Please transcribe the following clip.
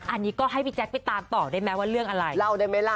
อันนี้ก็ให้พี่แจ๊คไปตามต่อได้ไหมว่าเรื่องอะไรเล่าได้ไหมล่ะ